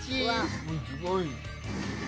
すごい。